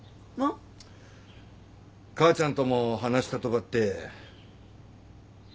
母ちゃんとも話したとばって。